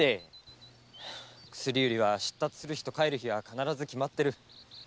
薬売りは出る日と帰る日は必ず決まってる。